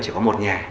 chỉ có một nhà